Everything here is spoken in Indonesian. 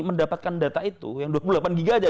mendapatkan data itu yang dua puluh delapan giga aja